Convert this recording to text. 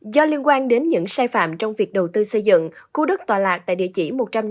do liên quan đến những sai phạm trong việc đầu tư xây dựng khu đất tòa lạc tại địa chỉ một trăm năm mươi